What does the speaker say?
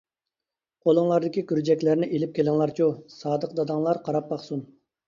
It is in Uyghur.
قولۇڭلاردىكى گۈرجەكلەرنى ئېلىپ كېلىڭلارچۇ، سادىق داداڭلار قاراپ باقسۇن.